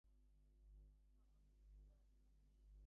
"Bacallao" literally means "cod" or "stockfish".